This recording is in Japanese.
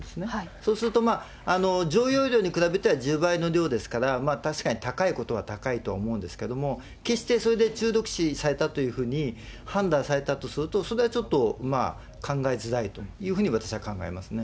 そうすると、常用量に比べては１０倍の量ですから、確かに高いことは高いと思うんですけど、決してそれで中毒死されたというふうに判断されたとすると、それはちょっとまあ、考えづらいというふうに私は考えますね。